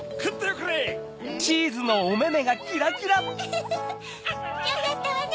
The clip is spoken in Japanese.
フフフよかったわね